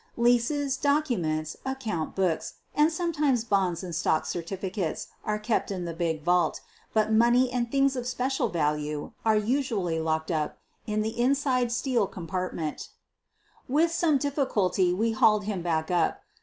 Leases, documents, account books, and sometimes bonds and stock certificates are kept in the big vault, but money and things of special value are usually locked up in the inside steel compartment. QUEEN OF THE BURGLARS 135 With some difficulty we hauled him back up.